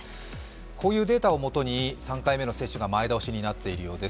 こういうデータを基に３回目の接種が前倒しになっているようです。